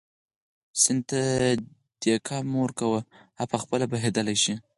سیند ته دیکه مه ورکوه هغه په خپله بهېدلی شي.